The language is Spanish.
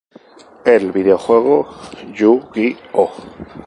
El videojuego "Yu-Gi-Oh!